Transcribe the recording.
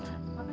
apa sih bang